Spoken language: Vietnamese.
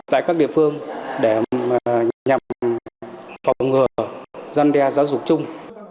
tại các địa phương để nhằm phòng ngừa gian đe giáo dục chung